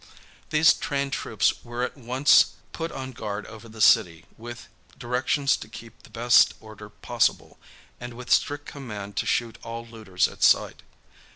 These trained troops were at once put on guard over the city, with directions to keep the best order possible, and with strict command to shoot all looters at sight.